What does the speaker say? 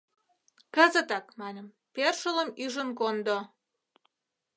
— Кызытак, маньым, першылым ӱжын кондо.